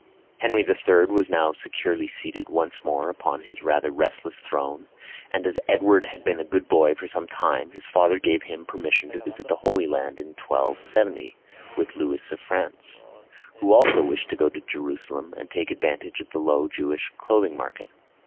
Henry III. was now securely seated once more upon his rather restless throne, and as Edward had been a good boy for some time, his father gave him permission to visit the Holy Land, in 1270, with Louis of France, who also wished to go to Jerusalem and take advantage of the low Jewish clothing market.